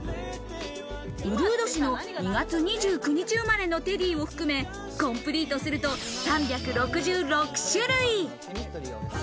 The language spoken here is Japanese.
うるう年の２月２９日生まれのテディを含め、コンプリートすると３６６種類。